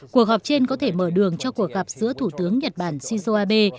cuộc họp trên có thể mở đường cho cuộc gặp giữa thủ tướng nhật bản shinzo abe